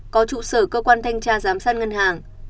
có trụ sở cơ quan thanh tra giám sát ngân hàng